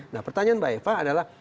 nah pertanyaan mbak eva adalah